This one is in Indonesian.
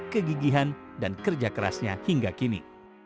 kegigihan dan kerja kerasnya hingga kini